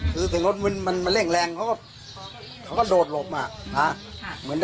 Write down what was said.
คือเสียงรถมันมาเร่งแรงเขาก็โดดโหลบระทอด